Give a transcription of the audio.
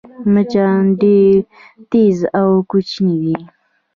مچان ډېر تېز او کوچني دي